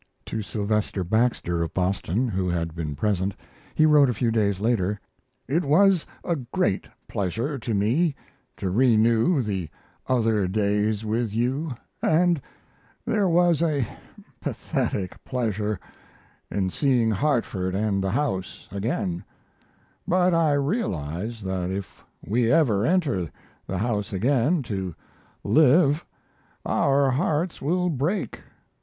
To Sylvester Baxter, of Boston, who had been present, he wrote a few days later: It was a great pleasure to me to renew the other days with you, & there was a pathetic pleasure in seeing Hartford & the house again; but I realized that if we ever enter the house again to live our hearts will break.